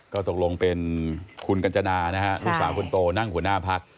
ก็ตกลงเป็นคุณกัญจนานะฮะลูกสาวคนโตนั่งหัวหน้าพัก